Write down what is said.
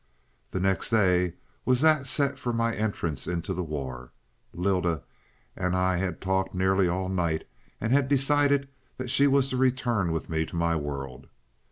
"The next day was that set for my entrance into the war. Lylda and I had talked nearly all night, and had decided that she was to return with me to my world.